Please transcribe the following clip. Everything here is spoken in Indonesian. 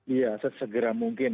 iya sesegera mungkin